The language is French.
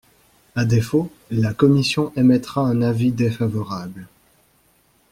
À défaut, la commission émettra un avis défavorable.